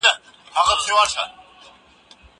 زه کولای سم کښېناستل وکړم!.